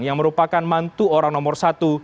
yang merupakan mantu orang nomor satu